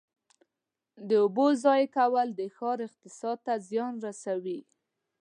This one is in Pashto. د اوبو ضایع کول د ښار اقتصاد ته زیان رسوي.